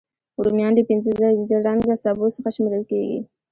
رومیان له پینځه رنګه سبو څخه شمېرل کېږي